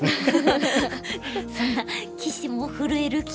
そんな棋士も震える企画。